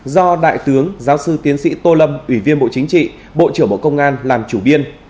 do đại tướng giáo sư tiến sĩ tô lâm ủy viên bộ chính trị bộ trưởng bộ công an làm chủ biên